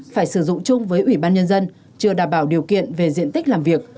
phải sử dụng chung với ủy ban nhân dân chưa đảm bảo điều kiện về diện tích làm việc